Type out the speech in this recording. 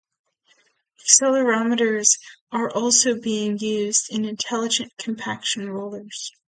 Accelerometers are also being used in Intelligent Compaction rollers.